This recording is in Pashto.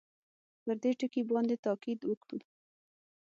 پر دې ټکي باندې تاءکید وکړو.